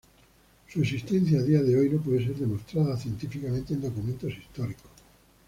Su existencia, a día de hoy, no puede ser demostrada científicamente en documentos históricos.